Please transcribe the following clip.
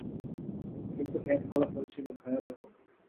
কিন্তু এর ফলাফল ছিল ভয়াবহ।